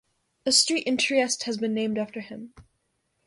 A street in Trieste has been named after him.